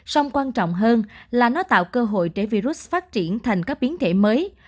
song quan trọng hơn là nó tạo cơ hội để virus phát triển thành các biến thể mới